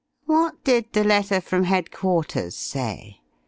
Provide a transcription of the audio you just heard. "What did the letter from Headquarters say?